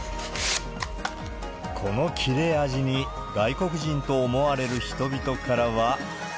この切れ味に、外国人と思われる人々からは。